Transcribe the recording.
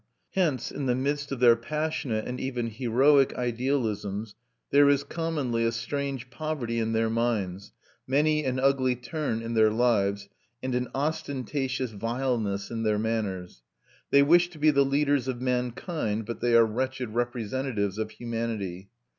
Hence, in the midst of their passionate and even heroic idealisms, there is commonly a strange poverty in their minds, many an ugly turn in their lives, and an ostentatious vileness in their manners. They wish to be the leaders of mankind, but they are wretched representatives of humanity.